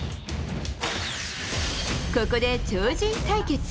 ここで超人対決。